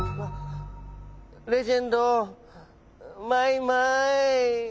レジェンドマイマイ。